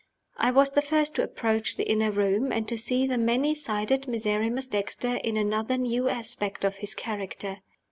I was the first to approach the inner room, and to see the many sided Miserrimus Dexter in another new aspect of his character.